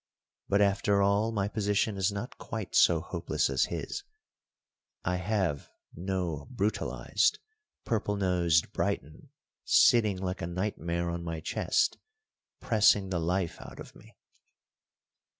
But, after all, my position is not quite so hopeless as his; I have no brutalised, purple nosed Briton sitting like a nightmare on my chest, pressing the life out of me."